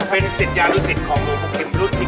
เป็นสิทธิ์ยารุสิตของโรงโภคเข็มรุ่นที่๙๙